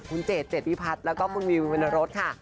คุณเจดเจดพิพัฒน์แล้วก็คุณวิววินรถค่ะ